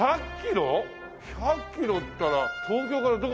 １００キロっつったら東京からどこまで行く？